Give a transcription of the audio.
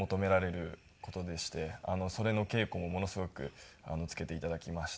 それの稽古もものすごくつけて頂きました。